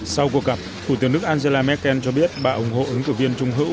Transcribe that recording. sau cuộc gặp thủ tướng đức angela merkel cho biết bà ủng hộ ứng cử viên trung hữu